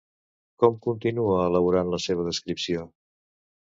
Com continua elaborant la seva descripció?